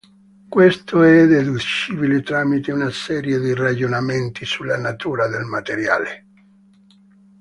Questo è deducibile tramite una serie di ragionamenti sulla natura del materiale.